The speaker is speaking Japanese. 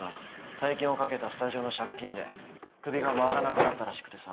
大金をかけたスタジオの借金で首が回らなくなったらしくてさ。